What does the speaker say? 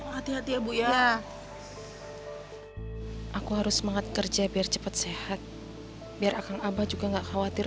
hati hati ya bu ya aku harus semangat kerja biar cepat sehat biar akan abah juga enggak khawatir